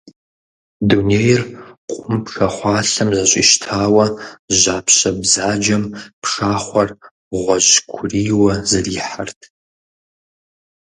Дунейр къум пшахъуалъэм зэщӀищтауэ, жьапщэ бзаджэм пшахъуэр гъуэжькурийуэ зэрихьэрт.